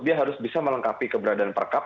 dia harus bisa melengkapi keberadaan per kap